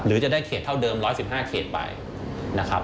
หรือจะได้เขตเท่าเดิม๑๑๕เขตไป